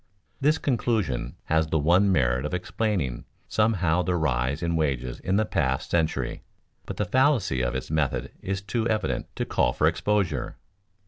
This conclusion has the one merit of explaining somehow the rise in wages in the past century, but the fallacy of its method is too evident to call for exposure.